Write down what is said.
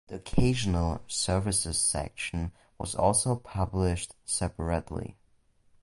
The Occasional Services section was also published separately.